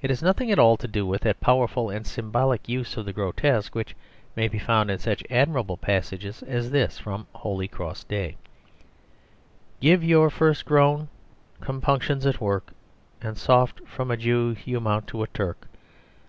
It has nothing at all to do with that powerful and symbolic use of the grotesque which may be found in such admirable passages as this from "Holy Cross Day": "Give your first groan compunction's at work; And soft! from a Jew you mount to a Turk.